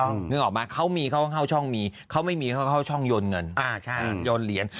นึกออกไหมเขามีเขาเข้าช่องมีเขาไม่มีเขาก็เข้าช่องโยนเงินโยนเหรียญ